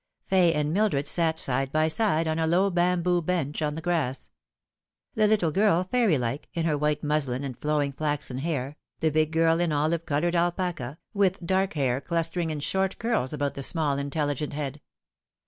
Fay and Mildred sat side by side on a low bamboo bench on the grass : the little girl, fairy like, in her white muslin and flowing flaxen hair, the big girl in olive coloured alpaca, with dark hair clustering in short curls about the small intelligent head.